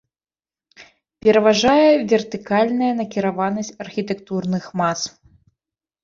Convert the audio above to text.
Пераважае вертыкальная накіраванасць архітэктурных мас.